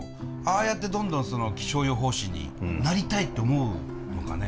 ああやってどんどん気象予報士になりたいって思うのかね